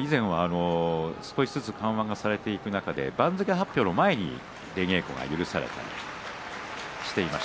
以前は少しずつ緩和されていく中で番付発表の前に出稽古が許されていました。